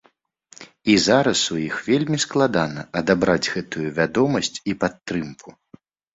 І зараз у іх вельмі складана адабраць гэтую вядомасць і падтрымку.